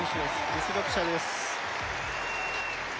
実力者です